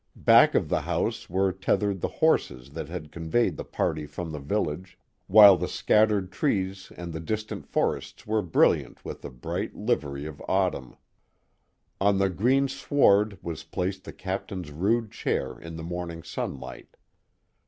Back of the house were tethered the horses that had conveyed the party from the village, while the scat tered trees and the distant forests were brilliant with the bright livery of autumn. Legend of Mrs. Ross 257 On the green sward was placed the captain's rude chair in the morning sunlight.